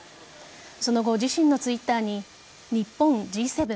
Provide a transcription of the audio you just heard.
その後、自身のツイッターに日本、Ｇ７。